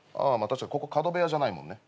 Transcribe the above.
確かにここ角部屋じゃないもんね。